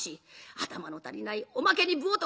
頭の足りないおまけにぶ男